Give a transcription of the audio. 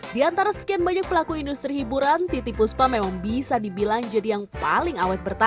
di antara sekian banyak pelaku industri hiburan titi puspa memang bisa dibilang jadi yang paling awet bertahan